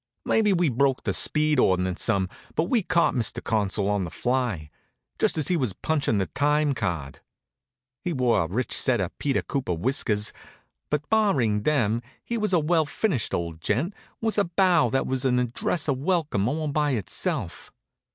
Maybe we broke the speed ord'nance some, but we caught Mr. Consul on the fly, just as he was punchin' the time card. He wore a rich set of Peter Cooper whiskers, but barring them he was a well finished old gent, with a bow that was an address of welcome all by itself.